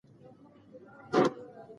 د کور د چارو برخه اخیستل د پلار دنده ده.